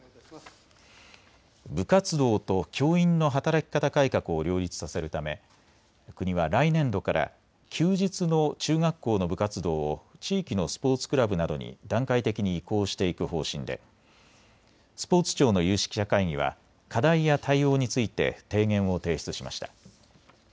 部活動と教員の働き方改革を両立させるため国は来年度から休日の中学校の部活動を地域のスポーツクラブなどに段階的に移行していく方針でスポーツ庁の有識者会議は課題や対応について提言を提出しました。